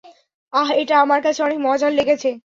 আহ, এটা আমার কাছে অনেক মজার লেগেছে।